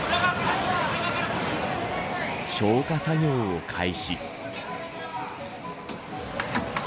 消火作業を開始。